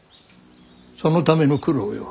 そのための九郎よ。